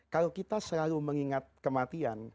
kalau kita selalu mengingat kematian